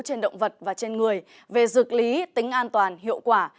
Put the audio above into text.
trên động vật và trên người về dược lý tính an toàn hiệu quả